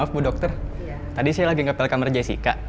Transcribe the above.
maaf mbak dokter tadi saya lagi ke pel kamar jessica